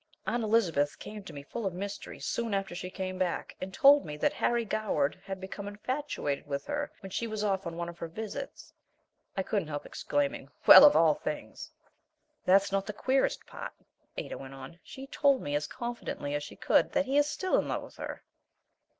Aunt Elizabeth came to me full of mystery soon after she came back, and told me that Harry Goward had become infatuated with her when she was off on one of her visits " I couldn't help exclaiming, "Well, of all things!" "That's not the queerest part," Ada went on. "She told me as confidently as could be that he is still in love with her."